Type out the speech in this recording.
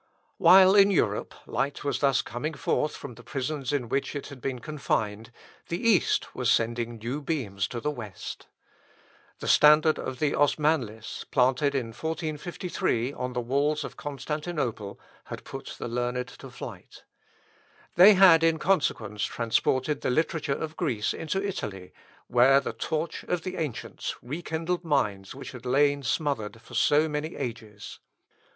While in Europe light was thus coming forth from the prisons in which it had been confined, the East was sending new beams to the West. The standard of the Osmanlis, planted in 1453 on the walls of Constantinople, had put the learned to flight. They had, in consequence, transported the literature of Greece into Italy, where the torch of the ancients rekindled minds which had lain smothered for so many ages.